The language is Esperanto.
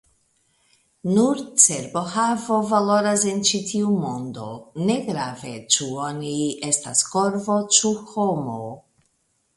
Nur cerbohavo valoras en ĉi tiu mondo, negrave ĉu oni estas korvo ĉu homo.